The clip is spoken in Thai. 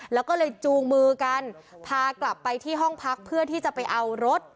แล้วก็เลยจูงมือกันพากลับไปที่ห้องพักเพื่อที่จะไปเอารถ